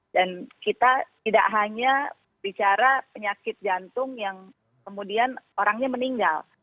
dan kita tidak hanya bicara penyakit jantung yang kemudian orangnya meninggal